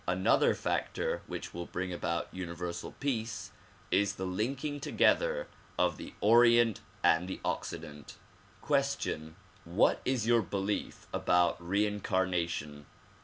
Another factor which will bring about Universal Peace is the linking together of the Orient and the Occident. Question: What is your belief about reincarnation?